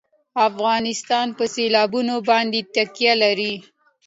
افغانستان په سیلابونه باندې تکیه لري.